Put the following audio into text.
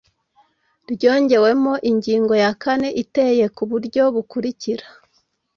ryongewemo ingingo ya kane iteye ku buryo bukurikira